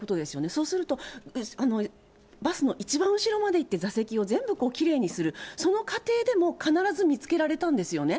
そうすると、バスの一番後ろまで行って座席を全部きれいにする、その過程でも必ず見つけられたんですよね。